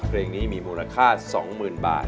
เพลงนี้มีมูลค่า๒๐๐๐บาท